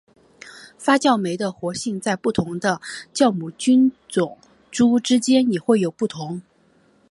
发酵酶的活性在不同的酵母菌株之间也会有不同。